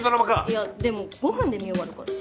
いやでも５分で見終わるから。